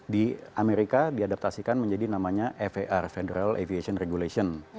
di amerika diadaptasikan menjadi namanya far federal aviation regulation